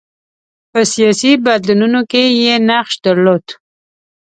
په سیاسي بدلونونو کې یې نقش درلود.